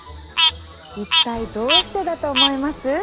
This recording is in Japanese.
一体どうしてだと思います？